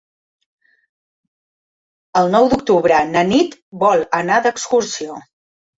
El nou d'octubre na Nit vol anar d'excursió.